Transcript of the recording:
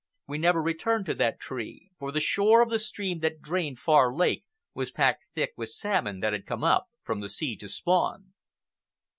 We never returned to that tree, for the shore of the stream that drained Far Lake was packed thick with salmon that had come up from the sea to spawn.